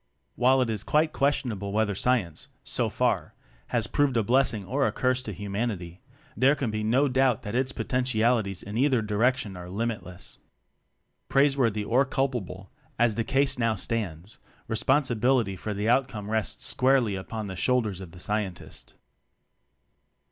While it is quite questionable whether Science, so far, has proved a blessing or a curse to Humanity, there can be no doubt that its poten tialities in either direction are limit less. Praiseworthy or culpable, as the case now stands, responsibility for the outcome rests squarely upon the shoulders of the Scientist.